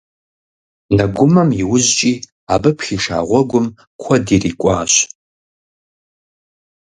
Нэгумэм иужькӀи абы пхиша гъуэгум куэд ирикӀуащ.